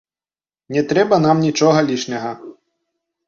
Не трэба нам нічога лішняга!